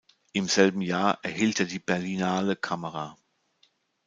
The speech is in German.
Im selben Jahr erhielt er die Berlinale Kamera.